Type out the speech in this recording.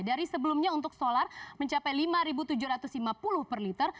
dari sebelumnya untuk solar mencapai lima tujuh ratus lima puluh per liter